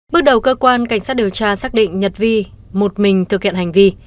bước đầu cơ quan cảnh sát điều tra xác định nhật vi một mình thực hiện hành vi